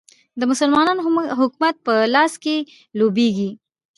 د مسلمانانو حکومت په لاس کې لوبیږي.